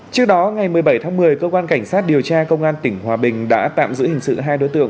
trước đó ngày một mươi bảy tháng một mươi cơ quan cảnh sát điều tra công an tỉnh hòa bình đã tạm giữ hình sự hai đối tượng